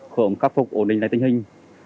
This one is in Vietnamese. khởi ổng khắc phục ổn định lãnh tình hình